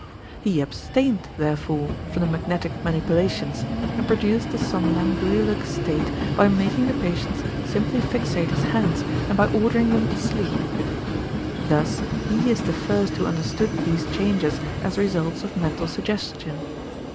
He abstained therefore from the magnetic manipulations and produced the somnambulic state by making the patients simply fixate his hands and by ordering them to sleep. Thus he is the first who understood these changes as results of mental suggestion.